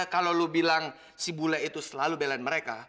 kalau lo bilang si bule itu selalu belain mereka